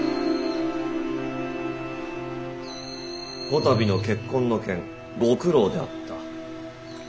こたびの結婚の件ご苦労であった。